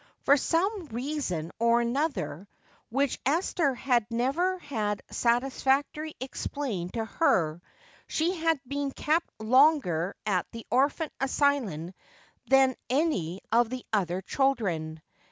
For some reason or other, which Esther had never had satisfactorily explained to her, she had been kept longer at the orphan asylum than any of the other children.